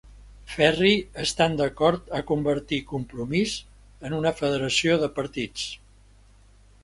Ferri estan d'acord a convertir Compromís en una federació de partits.